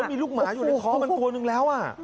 มีลูกหมาอยู่ในท้องมันตัวนึงแล้ว